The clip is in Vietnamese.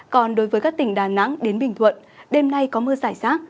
còn đối với các tỉnh đà nẵng đến bình thuận đêm nay có mưa giải rác